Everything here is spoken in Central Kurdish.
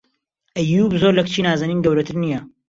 ئەییووب زۆر لە کچی نازەنین گەورەتر نییە.